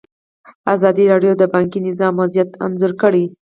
ازادي راډیو د بانکي نظام وضعیت انځور کړی.